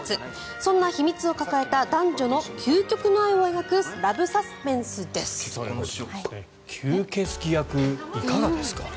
そんな秘密を抱えた男女の究極の愛を描く吸血鬼役いかがですか？